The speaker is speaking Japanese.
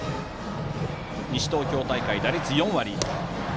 西東京大会、打率４割。